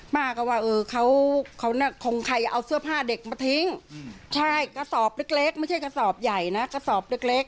ป้าก็ว่าเออเขาน่ะคงใครเอาเสื้อผ้าเด็กมาทิ้งใช่กระสอบเล็กไม่ใช่กระสอบใหญ่นะกระสอบเล็ก